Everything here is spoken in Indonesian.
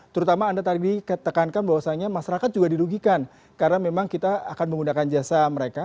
terutama anda tadi tekankan bahwasannya masyarakat juga dirugikan karena memang kita akan menggunakan jasa mereka